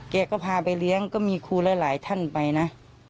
เขาก็พาไปแล้งก็มีคุณหลายท่านไปนะ